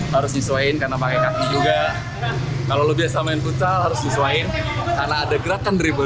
meski banyak kemiripan kita harus mencoba untuk mencoba keseruan bermain full ball